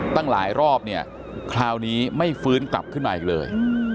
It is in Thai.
ตั้งหลายรอบเนี่ยคราวนี้ไม่ฟื้นกลับขึ้นมาอีกเลย